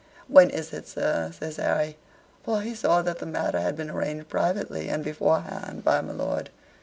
"When is it, sir?" says Harry, for he saw that the matter had been arranged privately and beforehand by my lord.